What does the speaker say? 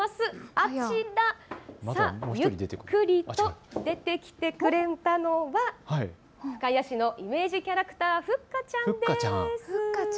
あちら、ゆっくりと出てきてくれたのは深谷市のイメージキャラクター、ふっかちゃんです。